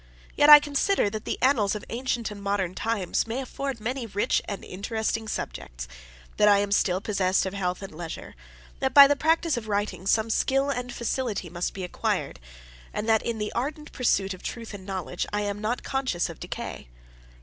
Yet I consider that the annals of ancient and modern times may afford many rich and interesting subjects; that I am still possessed of health and leisure; that by the practice of writing, some skill and facility must be acquired; and that, in the ardent pursuit of truth and knowledge, I am not conscious of decay.